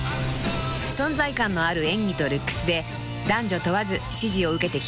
［存在感のある演技とルックスで男女問わず支持を受けてきた３人］